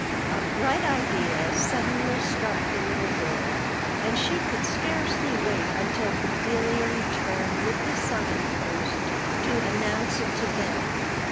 A bright idea suddenly struck the little girl, and she could scarcely wait until Bedelia returned with the Sign Post to announce it to them.